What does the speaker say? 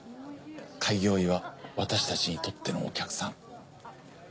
開業医は私たちにとってのお客さん。